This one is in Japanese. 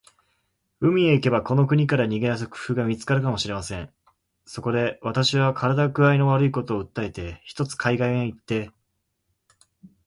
海へ行けば、この国から逃げ出す工夫が見つかるかもしれません。そこで、私は身体工合の悪いことを訴えて、ひとつ海岸へ行って